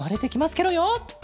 ケロよ。